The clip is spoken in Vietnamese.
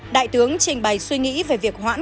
đại tướng trình bày suy nghĩ về việc hoãn